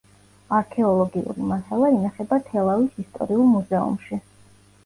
არქეოლოგიური მასალა ინახება თელავის ისტორიულ მუზეუმში.